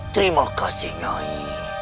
terima kasih nyai